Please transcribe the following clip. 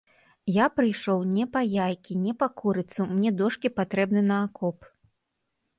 Я прыйшоў не па яйкі, не па курыцу, мне дошкі патрэбны на акоп.